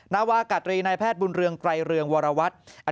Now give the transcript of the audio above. นาวากาตรีนายแพทย์บุญเรืองไกรเรืองวรวัตร